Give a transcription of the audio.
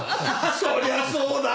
そりゃそうだ。